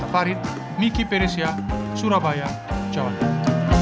farid miki perisya surabaya jawa barat